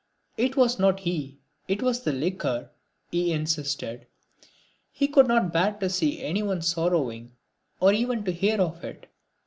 "It was not he, it was the liquor," he insisted. [Illustration: The Ganges] He could not bear to see anyone sorrowing or even to hear of it.